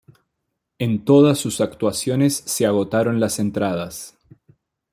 En todas sus actuaciones se agotaron las entradas.